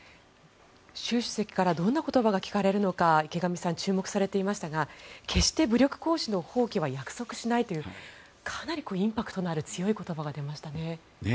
習主席からどんな言葉が聞かれるのか池上さん、注目されていましたが決して武力行使の放棄は約束しないというかなりインパクトのある強い言葉が出ましたね。